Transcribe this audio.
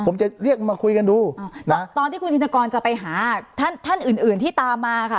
ผมจะเรียกมาคุยกันดูตอนที่คุณธินกรจะไปหาท่านท่านอื่นอื่นที่ตามมาค่ะ